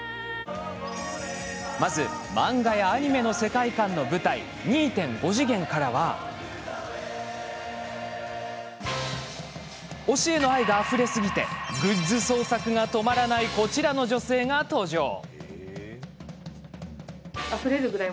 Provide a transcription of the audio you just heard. まず漫画やアニメの世界観の舞台、２．５次元からは推しへの愛があふれすぎてグッズ創作が止まらないこちらの女性が登場。